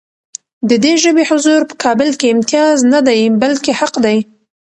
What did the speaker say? د دې ژبې حضور په کابل کې امتیاز نه دی، بلکې حق دی.